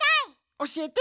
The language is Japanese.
おしえて。